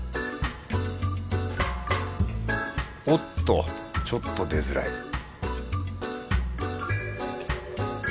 おっとちょっと出づらい